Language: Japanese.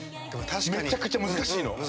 めちゃくちゃ難しいの。